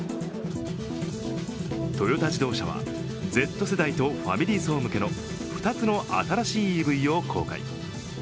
トヨタ自動車はＺ世代とファミリー層向けの２つの新しいＥＶを公開。